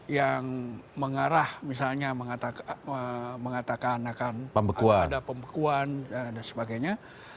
yang mengarah misalnya mengatakan akan ada pembekuan dan sebagainya